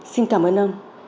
xin cảm ơn ông